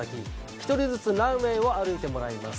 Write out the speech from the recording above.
一人ずつランウェイを歩いてもらいます。